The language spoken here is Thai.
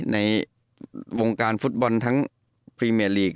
ในวงการฟุตบอลทั้งพรีเมียลีก